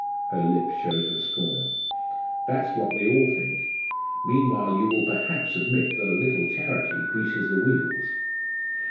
Her lip showed her scorn. "That's what we all think. Meanwhile you will perhaps admit that a little charity greases the wheels."